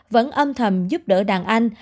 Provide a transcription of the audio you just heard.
vẫn âm thầm giúp đỡ đàn anh